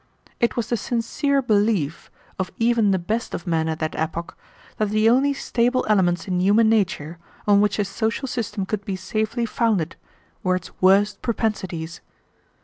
It was the sincere belief of even the best of men at that epoch that the only stable elements in human nature, on which a social system could be safely founded, were its worst propensities.